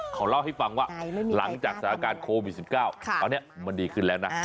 เขาเล่าให้ฟังว่าหลังจากสถานการณ์โควิด๑๙ตอนนี้มันดีขึ้นแล้วนะ